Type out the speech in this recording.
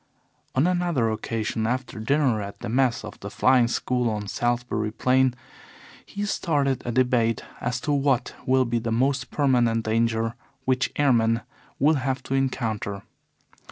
On another occasion after dinner, at the mess of the Flying School on Salisbury Plain, he started a debate as to what will be the most permanent danger which airmen will have to encounter.